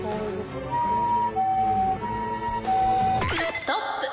ストップ。